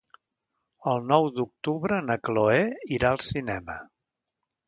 El nou d'octubre na Chloé irà al cinema.